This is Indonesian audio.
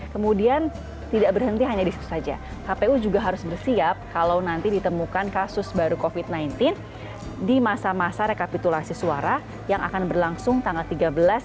kemudian tidak berhenti hanya di situ saja kpu juga harus bersiap kalau nanti ditemukan kasus baru covid sembilan belas di masa masa rekapitulasi suara yang akan berlangsung tanggal tiga belas